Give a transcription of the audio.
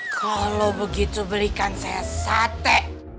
kalau begitu berikan saya sate